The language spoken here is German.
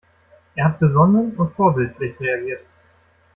Er hat besonnen und vorbildlich reagiert.